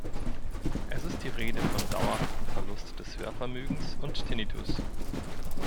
Es ist die Rede von dauerhaftem Verlust des Hörvermögens und Tinnitus.